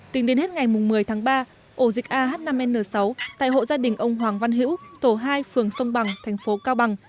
tính đến hết ngày một mươi tháng ba ổ dịch ah năm n sáu tại hộ gia đình ông hoàng văn hữu tổ hai phường sông bằng thành phố cao bằng